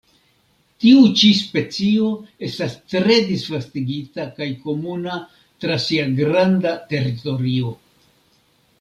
Tiu ĉi specio estas tre disvastigita kaj komuna tra sia granda teritorio.